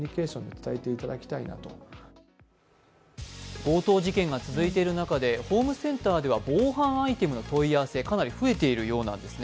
強盗事件が続いている中でホームセンターでは防犯アイテムの問い合わせかなり増えているようなんですね。